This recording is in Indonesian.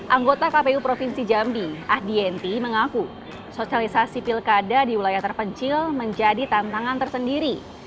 anggota kpu provinsi jambi ahdienti mengaku sosialisasi pilkada di wilayah terpencil menjadi tantangan tersendiri